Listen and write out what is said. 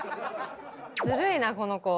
ずるいな、この子。